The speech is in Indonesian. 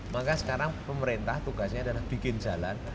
maka sekarang pemerintah tugasnya adalah bikin jalan